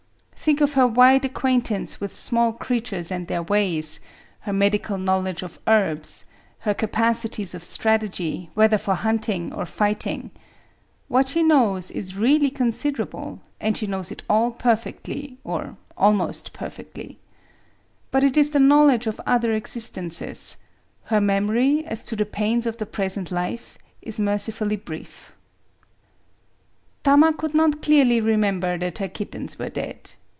Think of her wide acquaintance with small creatures and their ways, — her medical knowledge of herbs, — her capacities of strategy, whether for hunting or fighting ! What she knows is really considerable ; and she knows it all perfectly, or almost perfectly. But it is the knowledge of other existences. Her memory, as to the pains of the present life, is merci fully brief. Tama could not clearly remember that her kittens were dead.